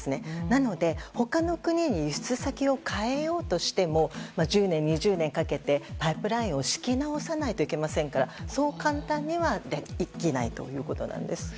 なので、他の国に輸出先を変えようとしても１０年、２０年かけてパイプラインを敷き直さないといけませんからそう簡単にはできないということです。